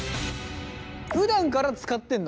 ふだんから使ってんの？